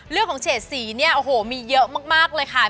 เรื่องของเฉดสีเนี่ยมีเยอะมากเลยค่ะ